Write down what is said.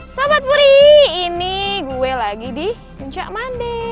sobat puri ini gue lagi di puncak mande